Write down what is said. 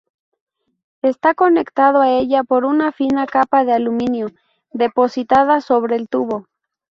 Está conectado a ella por una fina capa de aluminio depositada sobre el tubo.